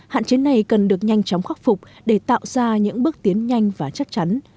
hạn chế này cần được nhanh chóng khắc phục để tạo ra những bước tiến nhanh và chắc chắn